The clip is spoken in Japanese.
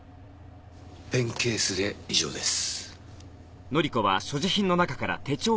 ペンケースで以上です。